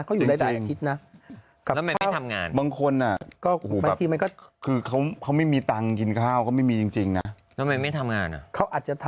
เกิดอยู่หลายประหลายอาทิตย์นะ